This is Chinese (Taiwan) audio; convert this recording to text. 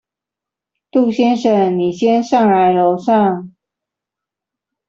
杜先生，你先上來樓上